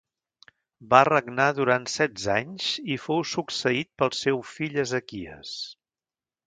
Va regnar durant setze anys i fou succeït pel seu fill Ezequies.